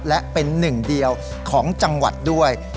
และเป็นหนึ่งเดียวของจังหวัดด้วย